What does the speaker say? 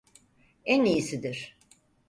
En iyisidir.